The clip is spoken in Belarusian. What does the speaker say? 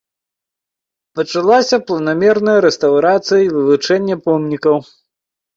Пачалася планамерная рэстаўрацыя і вывучэнне помнікаў.